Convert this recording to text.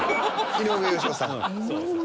井上芳雄さん。